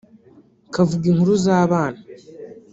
kavuga inkuru z'abana